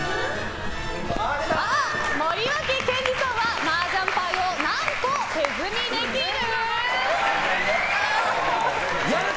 森脇健児さんはマージャン牌を何個手積みできる？